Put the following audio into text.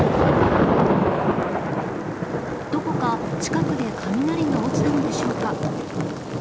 どこか、近くで雷が落ちたのでしょうか。